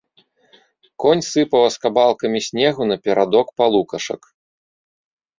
Конь сыпаў аскабалкамі снегу на перадок палукашак.